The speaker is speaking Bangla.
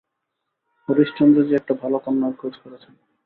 হরিশচন্দ্র জি একটা ভাল কন্যার খোঁজ করছেন।